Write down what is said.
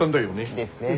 ですね。